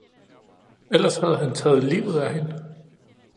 Ellers havde han taget livet af hende!